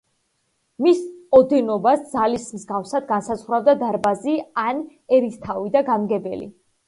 მის ოდენობას „ძალისა მსგავსად“ განსაზღვრავდა დარბაზი ან ერისთავი და განმგებელი.